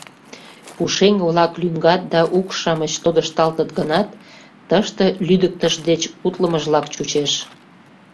Пушеҥге-влак лӱҥгат да укш-шамыч тодышталтыт гынат, тыште лӱдыктыш деч утлымыжлак чучеш.